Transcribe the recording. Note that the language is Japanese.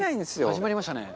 始まりましたね。